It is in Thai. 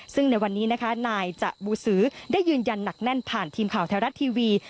ซึ่งในวันนี้นะคะนายจะบูสือได้ยืนยันหนักแน่นผ่านทีมข่าวไทยรัฐทีวี